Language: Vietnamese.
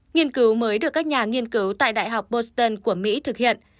nghiên cứu mới được các nhà nghiên cứu tại đại học poston của mỹ thực hiện